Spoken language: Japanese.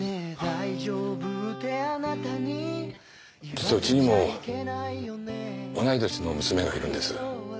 実はうちにも同い年の娘がいるんです。